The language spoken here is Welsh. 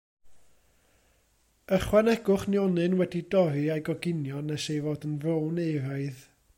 Ychwanegwch nionyn wedi'i dorri a'i goginio nes ei fod yn frown euraidd.